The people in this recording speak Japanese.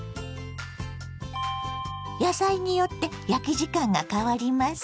野菜によって焼き時間が変わります。